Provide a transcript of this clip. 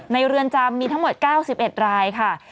เรือนจำมีทั้งหมด๙๑รายค่ะ